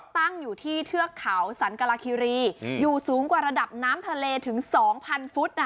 ตั้งอยู่ที่เทือกเขาสันกลาคิรีอยู่สูงกว่าระดับน้ำทะเลถึง๒๐๐ฟุต